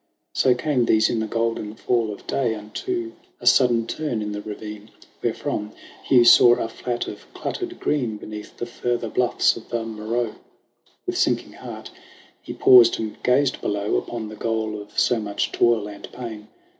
So came these in the golden fall of day Unto a sudden turn in the ravine, Wherefrom Hugh saw a flat of cluttered green Beneath the further bluff's of the Moreau. With sinking heart he paused and gazed below Upon the goal of so much toil and pain.